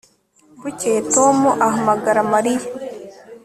Bukeye Tom ahamagara Mariya